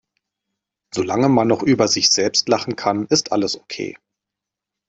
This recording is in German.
Solange man noch über sich selber lachen kann, ist alles okay.